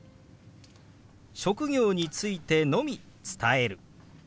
職業についてのみ伝える。